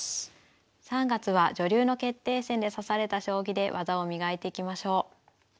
３月は女流の決定戦で指された将棋で技を磨いていきましょう。